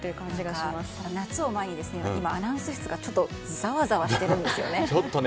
夏を前にアナウンス室がちょっとざわざわしてるんですよね。